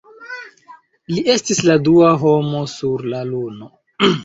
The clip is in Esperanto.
Li estis la dua homo sur la Luno.